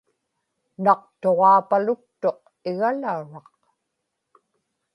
naqtuġaapaluktuq igalauraq